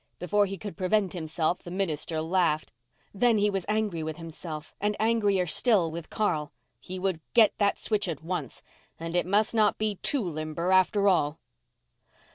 Before he could prevent himself the minister laughed. Then he was angry with himself and angrier still with Carl. He would get that switch at once—and it must not be too limber, after all.